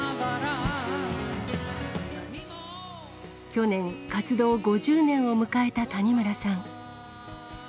去年、活動５０年を迎えた谷村さん。